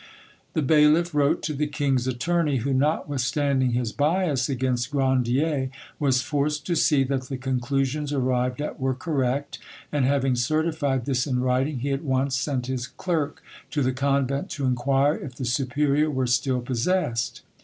The bailiff wrote to the king's attorney, who, notwithstanding his bias against Grandier, was forced to see that the conclusions arrived at were correct, and having certified this in writing, he at once sent his clerk to the convent to inquire if the superior were still possessed.